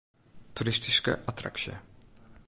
Toeristyske attraksje.